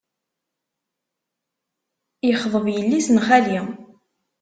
Yexḍeb yelli-s n xali.